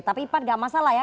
tapi pan gak masalah ya